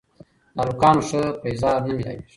د هلکانو ښه پېزار نه مېلاوېږي